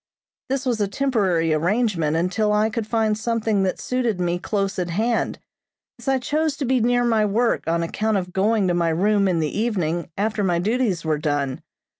This was a temporary arrangement until I could find something that suited me close at hand, as I chose to be near my work on account of going to my room in the evening after my duties were done.